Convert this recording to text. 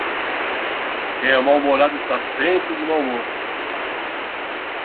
Quem é mal-humorado está sempre de mau humor!